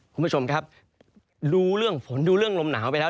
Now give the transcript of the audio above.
คุณผู้ชมครับรู้เรื่องฝนดูเรื่องลมหนาวไปแล้ว